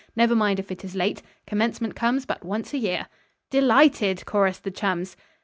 Never mind if it is late. Commencement comes but once a year." "De lighted," chorused the chums.